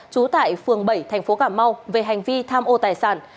trú tại phường bảy thành phố cà mau về hành vi tham ô tài sản